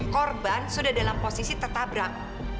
korban sudah dalam posisi tertabrak